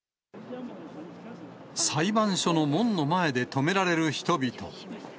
裁判所の門の前で止められる人々。